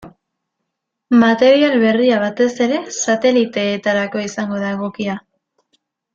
Material berria batez ere sateliteetarako izango da egokia.